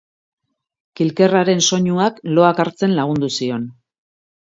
Kilkerraren soinuak loak hartzen lagundu zion.